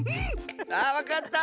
あっわかった！